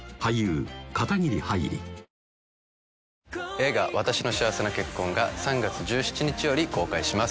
映画『わたしの幸せな結婚』が３月１７日より公開します。